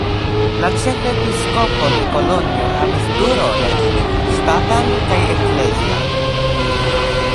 La ĉefepiskopo de Kolonjo havis du rolojn: ŝtatan kaj eklezian.